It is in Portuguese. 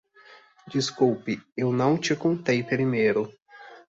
Desculpe, eu não te contei primeiro.